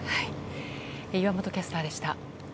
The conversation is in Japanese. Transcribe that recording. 岩本キャスターでした。